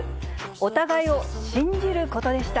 お互いを信じることでした。